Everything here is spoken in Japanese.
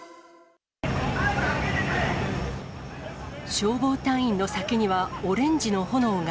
消防隊員の先には、オレンジの炎が。